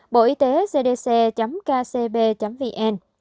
bộ y tế cdc kcb vn